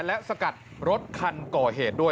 และสกัดรถคันก่อเหตุด้วย